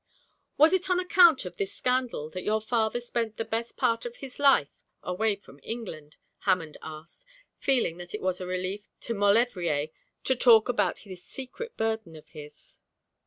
'Was it on account of this scandal that your father spent the best part of his life away from England?' Hammond asked, feeling that it was a relief to Maulevrier to talk about this secret burden of his.